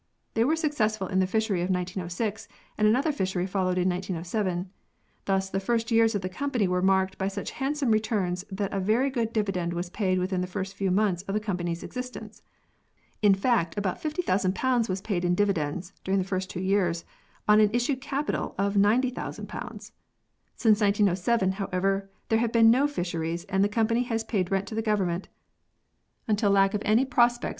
They were successful in the fishery of 1906, and another fishery followed in 1907. Thus the first years of the company were marked by such handsome returns that a very good dividend was paid within the first few months of the company's existence. In fact, about 50,000 was paid in dividends (during the first two years) on an issued capital of 90,000 ! Since 1907, however, there have been no fisheries and the company paid rent to the Government until lack of any prospects 136 PEARLS [CH.